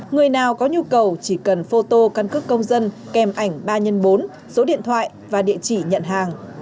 người nào có nhu cầu chỉ cần phô tô căn cứ công dân kèm ảnh ba x bốn điện thoại và địa chỉ nhận hàng